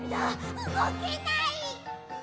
うごけない！